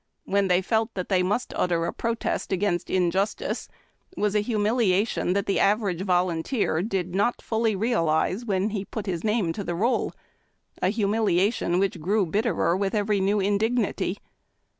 when they felt that tliey must uttev a protest against injus tice, was a humiliation tliat the average volunteer did not fully realize wlieu he put his name to the roll, — a humilia tion which grew bitterer with every new indignity.